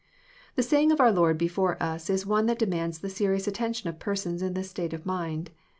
The saying of our Lord before us is one that demands the serious attention of persons in this state of mind.